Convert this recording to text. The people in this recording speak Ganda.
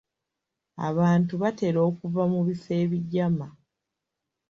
Abantu batera okuva mu bifo ebigyama.